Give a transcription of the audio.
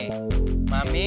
udah udah mi